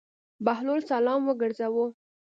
بهلول سلام وګرځاوه.